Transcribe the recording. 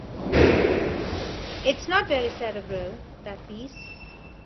It's not very cerebral, that piece.